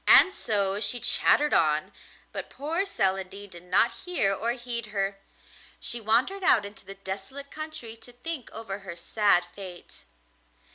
And so she chattered on, but poor Celandine did not hear or heed her; she wandered out into the desolate country to think over her sad fate.